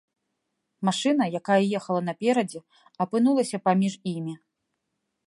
Машына, якая ехала наперадзе, апынулася паміж імі.